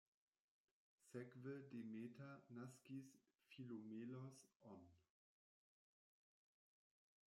Sekve Demeter naskis Philomelos-on.